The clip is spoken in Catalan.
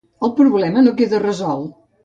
El problema no queda resolt.